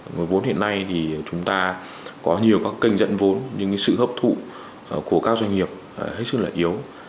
nguồn vốn hiện nay thì chúng ta có nhiều các kênh dẫn vốn nhưng sự hấp thụ của các doanh nghiệp hết sức là yếu